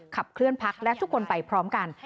ขับเคลื่อนพักและทุกคนไปพร้อมกัน